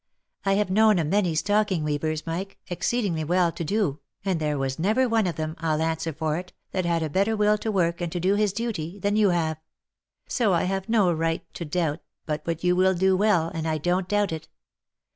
" I have known a many stocking weavers, Mike, exceeding well to do, and there was never one of them, I'll answer for it, that had a better will to work, and to do his duty, than you have — so I have no right to doubt but what you will do well, and I don't doubt it.